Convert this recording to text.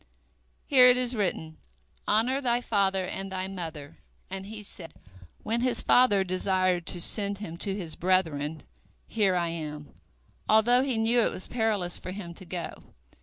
Here it is written, Honor thy father and thy mother, and he said, when his father desired to send him to his brethren, Here am I, although he knew it was perilous for him to go.